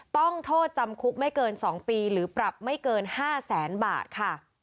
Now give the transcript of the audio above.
ต้องโทษจำคุกไม่เกิน๒ปีหรือปรับไม่เกิน๕แสนบาทค่ะ